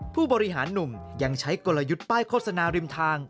ผู้บริหารหนุ่มยังใช้กลยุทธ์ป้ายโฆษณาริมทาง